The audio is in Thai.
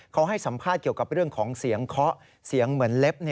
เขาให้สัมภาษณ์เกี่ยวกับเรื่องของเสียงเคาะเสียงเหมือนเล็บ